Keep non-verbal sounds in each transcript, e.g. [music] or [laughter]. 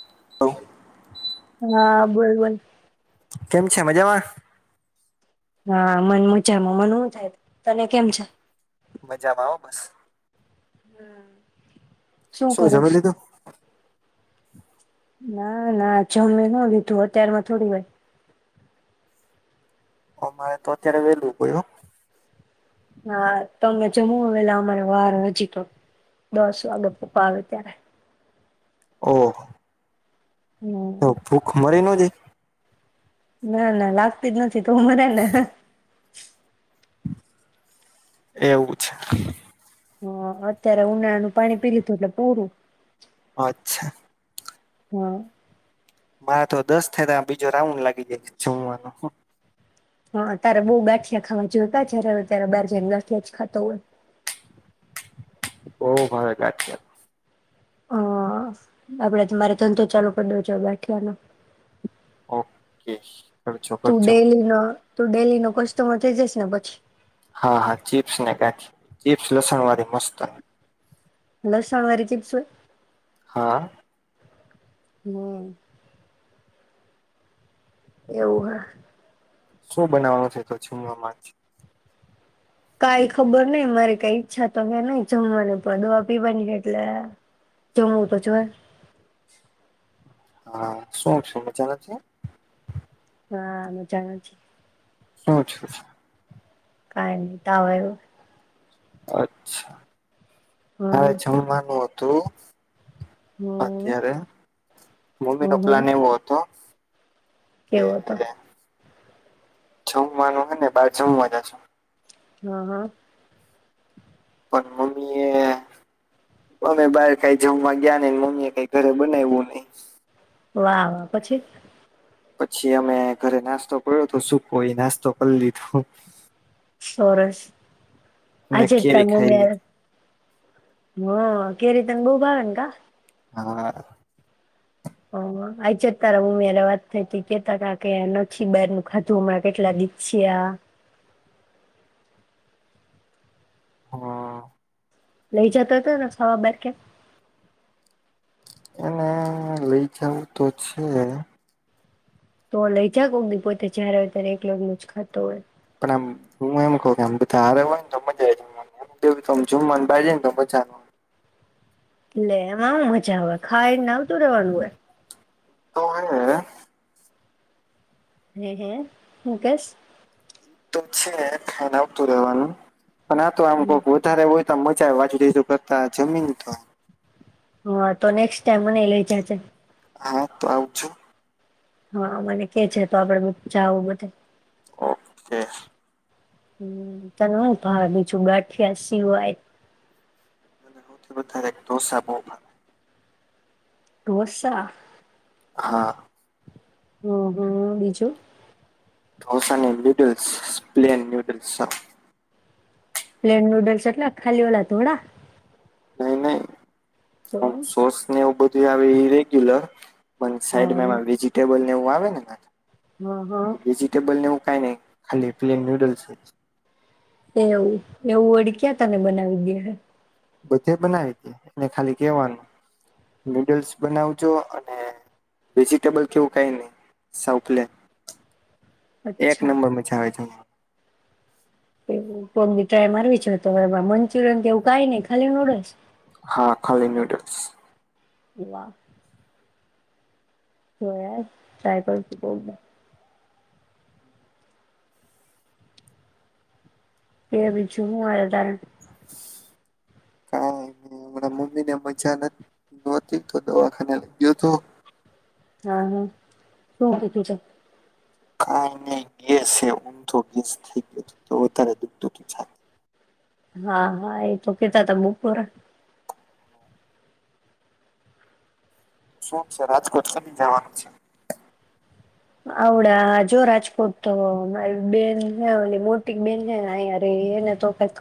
[inaudible] હા બોલ બોલ. કેમ છે, મજામાં. હા મન મજામાં મને હું થાય, તને કેમ છે. મજામાં ઓ બસ. હમ્મ. શું જમી લીધું. [inaudible] ના ના જમી ના લીધેના લીધું અત્યારમાં થોડી વાય અમારે તો અત્યારે હવે લોકો [unintelligible] હા તમે જમુ વેલા અમારે વાર હજી તો દસ વાગે પપ્પા આવે ત્યારે. ઓ. તો હમ ભૂખ મરી [unintelligible] ના ના લાગતી જ નથી. [unintelligible] [inaudible] [inaudible] એવું છે. હ અત્યારે ઉનાળાનું પાણી પી લીધું એટલે પૂરું. અચ્છા. હા. મારા તો દસ થાય તો બીજો રાઉન્ડ લાગી ગઈ જમવાનો. હા તારે બો ગાઠિયા ખાવા જોતા જ્યારે ત્યારે બાર જઈને ગાઠિયા જ ખાતો હોય. બો ભાવે ગાંઠીયા. હા આપડે તમારે ધંધો ચાલુ કરી દેવો જોઈએ ગાંઠિયાનો. ઓકે તું [unintelligible] ડેલી નો તું ડેલી નો કસ્ટમર થઈ જસ ને પછી. હા હા ચીપ્સ ને ગાંઠિયા, ચીપ્સ લસણ વાળી મસ્ત. લસણ વાળી ચિપ્સ હોય? હા. [unintelligible] એવું હ. શું બનાવાનું છે તો પછીના મેચ. કાઈ ખબર નઈ મારી કઈ ઈચ્છા તો નઈ જમવાની પણ દવા પીવાની એટલે જમવું તો જોય. હા શું છે મજામાં નથી? હા એને જાણો છો. શું થતું છે? કઈ નહી તાવ આવ્યો. અચ્છા. આજ હમ જમવાનું હ તો હમ અત્યારે મમ્મી નો હમ હમ પ્લાન એવો હતો કે કેવો હતો? જમવાનું હે ને બાર જમવાના છે. હા હા. પણ મમ્મીએ વાવ પછી? પછી અમે ઘરે નાસ્તો પયડોતો સુકો, ઈ નાસ્તો કર લીધો. સોરસ. અને આજે કેરી તમ ખાઈ મેળ લીધી હ, કેરી તન બોવ ભાવે ન કા? હા. હ હ, આજે જ તારા મમ્મી હારે વાત થઈતી. કેતાતા કે નથી બારનું ખાધું હમણાં કેટલા દી થ્યા. હા. લઈ જાતા તા ને સવ બાર ક્યાંક? એને લઈ જાવું તો છે. તો લઈ જા કોક દી પોતે જ્યારે હોય ત્યારે એકલો એકલો જ ખાતો હોય. પણ આમ હું એમ કઉ કે અમ બધા હારે હોય ન તો મજા [unintelligible] જમવામ [inaudible] જમવા ન બાર જાય ન તો મજા લે એમાં હૂ મજા આવે, ખાઈ ને આવતું રેવાનું હોય. તો હેને હે. હે, હે, હૂ કેસ? તો છે ને, ખાયને આવતું રહેવાનું. પણ આ તો આમ કોક વધારે હોય આમ મજા આવે વાતુચીતું કરતા જમીન તો. હા તો, નેક્સ્ટ ટાઈમ મને ય લઈ જાજે. હા તો, આવજો. હા, મને કે જે તો, આપડે બ જાાવું બધે. ઓકે. હમ્મ, તને હૂ ભાવે બીજું ગાંઠિયા સિવાય? મને હવથી વધારે એક દોસા બોવ ભા. ઢોસા? હા. હમ્મ, હમ્મ, બીજું? ધોસા ને ન્યૂડલ્સ. પ્લેન ન્યૂડલ્સ આ. પ્લેન નૂડલ્સ એટલે ખાલી ઓલા ધોળા? નય, નય. તો અમ સોસ ને એવું બ તે આવે ઈ રેગ્યુલર. પણ હા. સાઈડમાં એમાં વેજિટેબલ ને એવું આવે ને નાખે. હા હા વેજીિટેબલ ને એવુ કાય નય, ખાલી પ્લેન નૂડલ્સ જ. એવું, એવું વડી ક્યા તને બનાવી દયે હે? બધે બનાવી દયે. એને ખાલી કહેવાનું, નૂડલ્સ બનાવજો અને વેજીિટેબલ કે એવું કાય નય, સાવ પ્લેન. એક અચ્છા નંબર મજા આવે જયે. કોક દી ટ્રાય મારવી જોયે તો [unintelligible] મંચુરિયન કે એવું કાય નય ખાલી નુડલ્સ? હા, ખાલી નૂડલ્સ. વા. તોય તઈ પણ શું બો કે બીજું હું હાલે તારે? કાય નઈ હમણાં મમ્મી ને મજા નહતી તો દવાખાને લઈ ગયો તો. હા હ શું કીધું તો? કાય નય ગેસ હે. ઊંધો ગેસ થઈ ગયો તો વધારે દુખતુતું છાતીમાં. હા હા એ તો કેતાતા બપોરે. શું છે રાજકોટ કેદી જવાનું છે? આવડા આ જો રાજકોટ તો મારી બેન હે ઓલી મોટી બેન હે આયા રે એ એને તો કઈક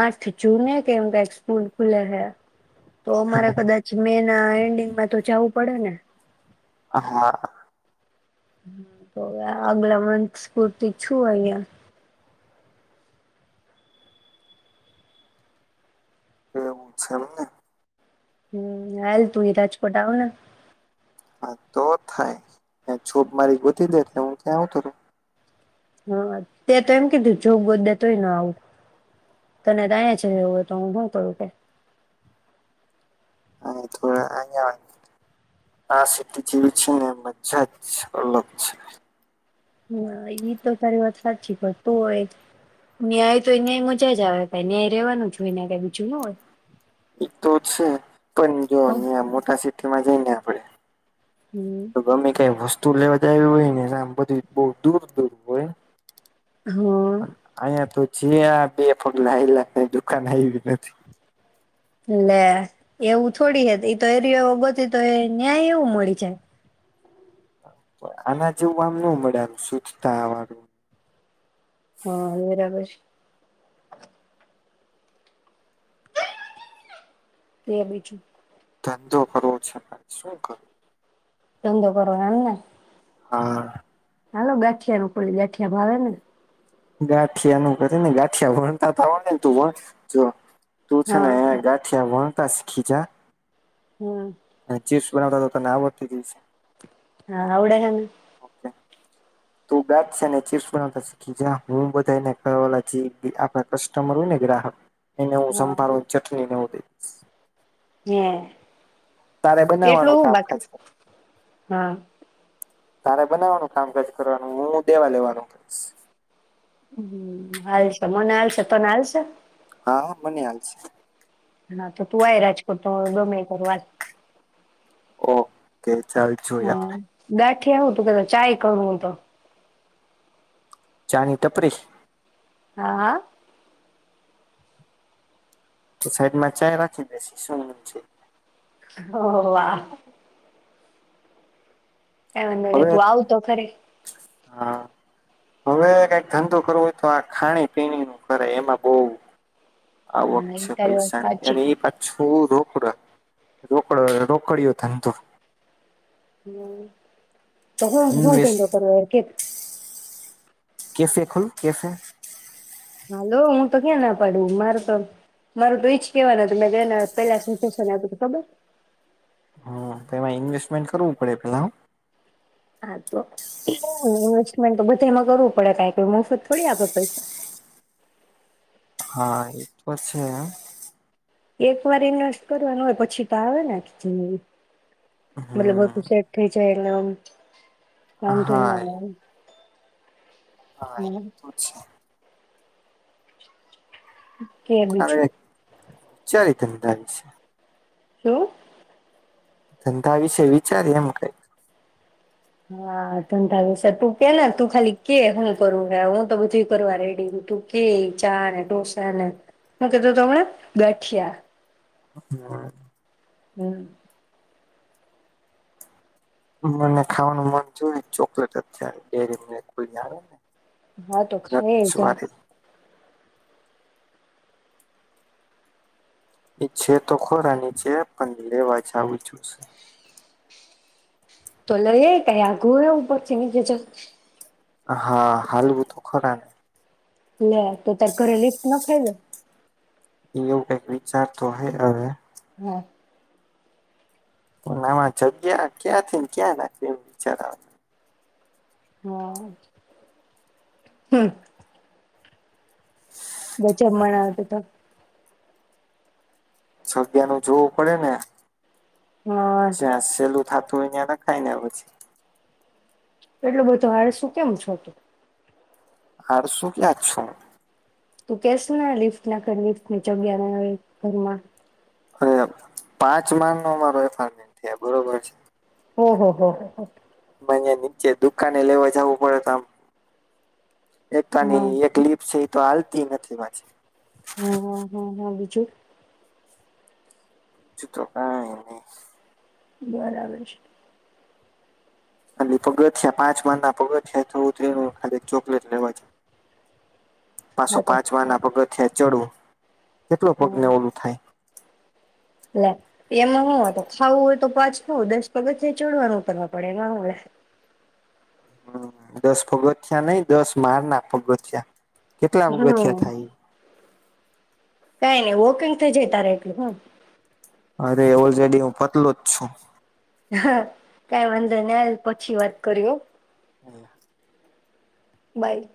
આઠ જૂને કેમ કઈક સ્કૂલ ખુલે હે. તો અમારે કદાચ મેન ના એન્ડિંગમાં તો જવું પડે ને. હ હ. તો આગલા મન્થ્સ પૂરતી છું અહિયાં. એ એવું છે એમ ને. હમ હાલ તુંય રાજકોટ આવને. હા તો થાય જોબ મારી ગોતી દે એટલે હું ત્યાં આવતો રવ. હા તે તો એમ કીધું જોબ ગોતદે તોય ન આવું. તને તો આયા જ છે રેવું હોય તો હું હું કરું કે. અ તો આયા આ સિટી જેવી છે ને મજા જ અલગ છે. હા ઈ તો તારી વાત સાચી. પણ તું હોય ન્યાય તો ન્યાય મજા જ આવે કઈ ન્યાય રેવાનું જ હોય ન્યાં કઈ બીજું ના હોય. એ તો છે પણ જો ત્યાં મોટા સિટીમાં જઈને પડે. હમ તો ગમે કય વસ્તુ તુઓ લેવાા જવી હોય ને પછી બધું બહ દૂર દૂર હોય. હા. જે આ બે પગલાં હાયલા નથી ને દુકાન આયવી નથી. એટલેે એવું થોડી હે તો ઈ તો એરિયો ગોતી તોય ન્યાય એવું મળી જાય. આના જેવું આમ ન મેળ આવે સ્વચ્છતાવાળું. હા બરાબર છે. કે બીજું. ધંધો કરવો છે પણ શું કરું? ધંધો કરવો એમ ને? હા. હાલો ગાઠિયાનું ઉપાડી લય ગાંઠિયા ભાવે ને? ગાંઠિયાનું કંઈક હે ને ગાંઠિયા વણતા તો આવડે ને તું વણ જો તું છે ને હા હે ગાંઠિયામાં કરતા શીખીજા. હમ. બનાવતા તો તને આવડતું જ હસે. હા આવડે હે ને. તું ગાંઠિયા ને ચીપ્સ બનાવતા શીખી જા. હું બધાયને કય ઓલા જી આપણા કસ્ટમર હોય ને ગ્રાહક. એને હું હા સંભારો ને ચટણી ને એવુ હમ. તારે બનાવવાનું કામકાજ હા તારે બનાવવાનું કામકાજ કરવાનું હું દેવા લેવાનું. હ હાલ છે મને હાલ છે તને હાલ છે? હા મને હાલ છે. હા તો તું આ રાજકોટ તો [unintelligible] ઓકે. ચાલ જોયે આપણે. કેવું હતું કે ચાય કરું હું તો ચાની ટપરી હા હા. તો સાઈડમાં ચાય રાખી બેસીસું વચ્ચે છે. ઓ વાવ. [unintelligible] હવે તું આવ તો ખરે. હા હવે કઈક ધંધો કરવો હોય તો આ ખાણી પીણીનું કરે એમાં બો આવક હા એ છે તારી વાત પૈસાની સાચી અને ઈ પાછું બો રોકડ રોકડ રોકડયો ધંધો હ. તો હુ હુ ઇન્વેસ્ટ ધંધો કરવો કે કેફે ખોલું કેફે. હાલો હું તો ક્યાં ના પાડું મારું તો મારું તો ઈજ કેવાનું હતું મેં પેલા [unintelligible] ખબર. હમ તો એમાં ઇન્વેસ્ટમેન્ટ કરવું પડે પેલા હ. [inaudible] ઇન્વેસ્ટમેન્ટ તો બધા એમાં કરવું પડે મોફત થોડી આપે પૈસા. હા એતો વાત છે હ. એક વાર ઇન્વેસ્ટ કરવાનું હોય પછી તો આવેને. [unintelligible] મતલબ હમ બધુ શેટ થઈ જાય. હા [unintelligible] [unintelligible] હા એ આવે તો છે. કે બીજું અરે [unintelligible] ધન [unintelligible] શું? ધંધા વિશે વિચારીએ એમ કઈક. હા ધંધા વિશે તું કે તું ખાલી કે હું કરું હું તો બધું કરવા રેડી તું કે ચા ને ઢોસાને હું કીધું તમે ગાઠિયા. હમ્મ. હમ્મ. મને ખાવાનું મન જોયું ચોકલેટ જ થાય ડેરીમિલક ની આવે ને. હા તો ખાયે નટ્સ જા. વાળી એ છે તો ખોરાની છે પણ લેવા જાવું જોઈશે. તો લઈ કાઈ આઘું ઉપરથી કેજ. હા હાલવું તો ખરા ને. લે તો તારે ઘરે લી ને ન ખાય લે. એવ કઈક વિચાર તો હ હવે. વા. નવા જગ્યા ક્યાંથી ને ક્યાં નાખી એ વિચાર આ હા હમ્મ. બચબ મણ આવત સગ્યા ન જોવું પડે ને. હા. થાથુંં હોય ન્યાં નાખાય ને પછી. એટલું બધું આળસુ કેમ છો તું? આળસુ ક્યાં છું? તું કેશ ને લિફ્ટ ના કર લફ ની જગ્યા હવે ઘરમાં. અરે પાંચ માન નો અમારો એપાર્ટમેન્ટ હે બરોબર છે. હહ હો. નીચે દુકાને લેવા જવું પડે તો આમ એક તો એની એક લિફટએય તો ચાલતી નથી પાછી. હ હ હા હા બીજું. બીજું તો. કાંઈ નઈ. બરાબર છે. ખાલી પગથિયાં છે પાંચ માડના ના પગથિયાં છે થોડું ત ખાલી ચોકલેટ લેવા છે. પાસો હા તો પાંચ વા ના પગથિયાં છોડું કેટલો હ પગને ઓલું થાય. લે એમાં હું હત ખાવું હોય તો પાછ હ દસ પગથિયાંય ચડવાનું કરવા પડે એમાં હું લે? હમ દસ પગથિયા નહી દસ માળણા પગથીયા. કેટલા હમ પગથિયા થાય ઈ? કઈ નઈ વોકિંગ થઈ જય તારે એટલું હું. અરે ઓલરેડી હું પતલો જ છું. હ કઈ વાંધો નઈ હાલ પછી વાત કરી હો. એ હ. બાય.